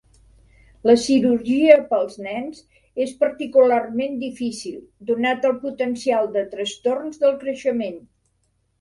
La cirurgia per als nens és particularment difícil, donat el potencial de trastorns del creixement.